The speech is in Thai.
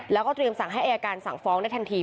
แล้วก็เตรียมสั่งให้อายการสั่งฟ้องได้ทันที